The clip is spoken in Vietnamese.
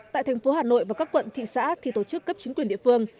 tại thành phố hà nội và các quận thị xã thì tổ chức cấp chính quyền địa phương